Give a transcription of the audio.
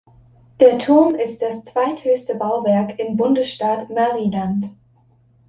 Der Turm ist das zweithöchste Bauwerk im Bundesstaat Maryland.